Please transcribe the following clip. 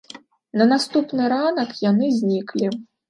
На наступны ранак яны зніклі.